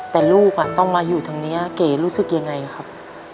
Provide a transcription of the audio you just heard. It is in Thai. แต่ลูกต้องมาอยู่ทางนี้เก๋รู้สึกยังไงครับ